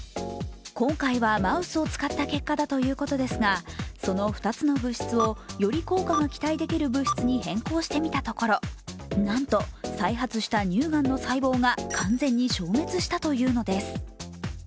今回はマウスを使った結果だということですがその２つの物質をより効果が期待できる物質に変更してみたところなんと、再発した乳がんの細胞が完全に消滅したというのです。